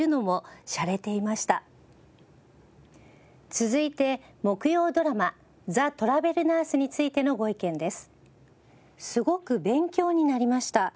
続いて木曜ドラマ『ザ・トラベルナース』についてのご意見です。